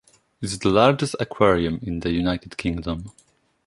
It is the largest aquarium in the United Kingdom.